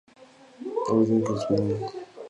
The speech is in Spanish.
Parte de la costa corresponde a la meseta Dyer.